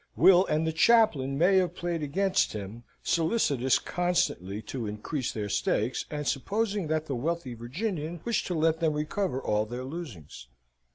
Will and the chaplain may have played against him, solicitous constantly to increase their stakes, and supposing that the wealthy Virginian wished to let them recover all their losings.